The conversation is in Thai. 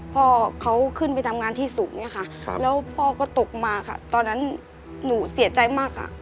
พ่อเขาขึ้นไปทำงานที่สูงเนี่ยค่ะแล้วพ่อก็ตกมาค่ะตอนนั้นหนูเสียใจมากค่ะ